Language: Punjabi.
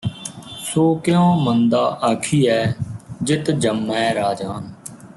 ਸੋ ਕਿਉਂ ਮੰਦਾ ਆਖੀਐ ਜਿਤ ਜੰਮੈਂ ਰਾਜਾਨ